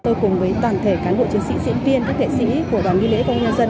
tôi cùng với toàn thể cán bộ chiến sĩ diễn viên các nghệ sĩ của đoàn nghi lễ công an nhân dân